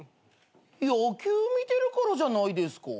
野球見てるからじゃないですか？